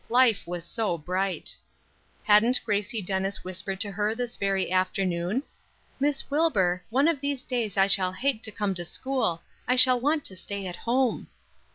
Life was so bright. Hadn't Gracie Dennis whispered to her this very afternoon: "Miss Wilbur, one of these days I shall hate to come to school, I shall want to stay at home."